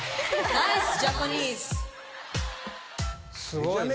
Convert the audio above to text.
すごいね。